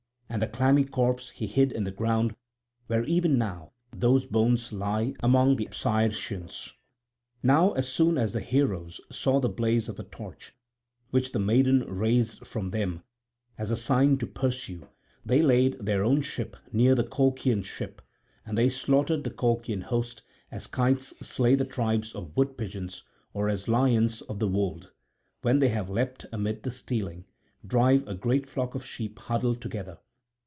And the clammy corpse he hid in the ground where even now those bones lie among the Apsyrtians. Now as soon as the heroes saw the blaze of a torch, which the maiden raised for them as a sign to pursue, they laid their own ship near the Colchian ship, and they slaughtered the Colchian host, as kites slay the tribes of wood pigeons, or as lions of the wold, when they have leapt amid the steading, drive a great flock of sheep huddled together.